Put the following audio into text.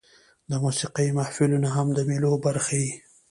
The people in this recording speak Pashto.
د موسیقۍ محفلونه هم د مېلو برخه يي.